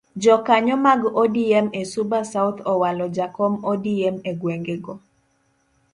Jokanyo mag odm e suba south owalo jakom odm egwengego.